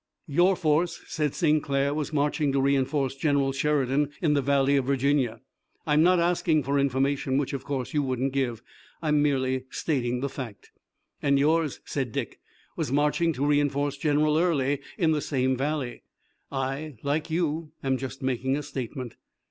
"Your force," said St. Clair, "was marching to reinforce General Sheridan in the Valley of Virginia. I'm not asking for information, which of course you wouldn't give. I'm merely stating the fact." "And yours," said Dick, "was marching to reinforce General Early in the same valley. I, like you, am just making a statement."